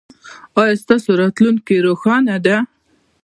ایا ستاسو راتلونکې روښانه ده؟